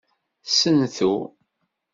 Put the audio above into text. Sentu.